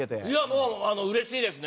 うれしいですね。